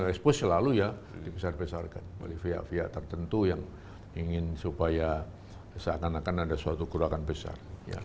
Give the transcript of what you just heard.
expose selalu ya dibesar besarkan oleh via via tertentu yang ingin supaya seakan akan ada suatu keruakan besar